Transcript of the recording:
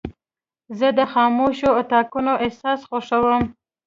زه د خاموشو اتاقونو احساس خوښوم.